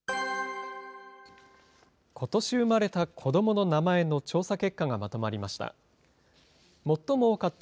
ことし生まれた子どもの名前の調査結果がまとまりました。